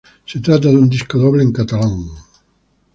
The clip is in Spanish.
Se trata de un disco doble en catalán.